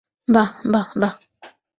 বাহ, বাহ, বাহ।